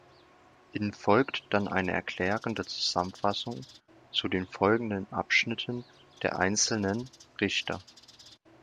In folgt dann eine erklärende Zusammenfassung zu den folgenden Abschnitten der einzelnen Richter.